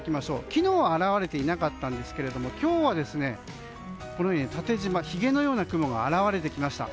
昨日は現れていなかったんですが今日はこのように縦じまひげのような雲が現れてきました。